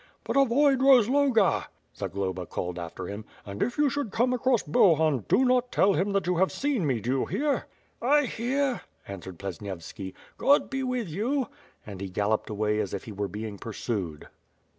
"But avoid Rozloga," Zagloba called after him. "And if you should come across Bohun, do not tell him that you have seen me, do you hear?" "I hear," answered Plesnievski. "God be with you," and he galloped away as if he were being pursued.